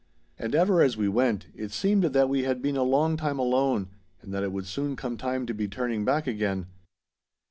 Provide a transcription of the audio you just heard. And ever as we went, it seemed that we had been a long time alone, and that it would soon come time to be turning back again.